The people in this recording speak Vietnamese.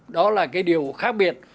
đó là cái điều khác biệt